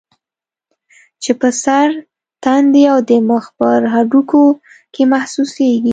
چې پۀ سر ، تندي او د مخ پۀ هډوکو کې محسوسيږي